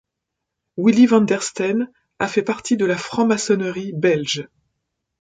Willy Vandersteen a fait partie de la franc-maçonnerie belge.